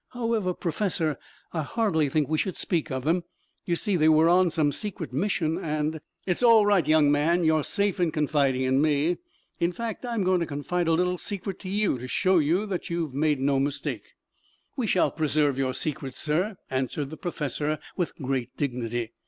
"However, Professor, I hardly think we should speak of them. You see they were on some secret mission and " "It's all right, young man. You are safe in confiding in me. In fact, I am going to confide a little secret to you to show you that you have made no mistake." "We shall preserve your secret, sir," answered the professor with great dignity.